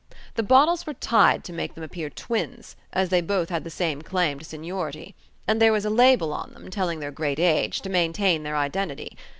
The bottles were tied to make them appear twins, as they both had the same claim to seniority. And there was a label on them, telling their great age, to maintain their identity.